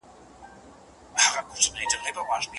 که باران وي که ژلۍ، مېلمه غواړي ښه مړۍ.